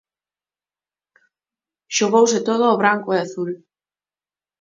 Xogouse todo ao branco e azul.